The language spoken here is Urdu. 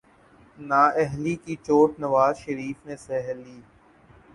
نااہلی کی چوٹ نواز شریف نے سہہ لی۔